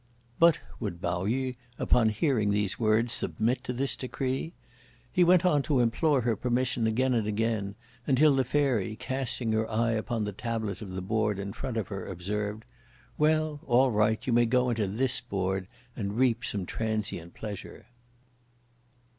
But would Pao yü, upon hearing these words, submit to this decree? He went on to implore her permission again and again, until the Fairy casting her eye upon the tablet of the board in front of her observed, "Well, all right! you may go into this board and reap some transient pleasure."